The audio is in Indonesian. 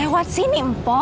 lewat sini mpo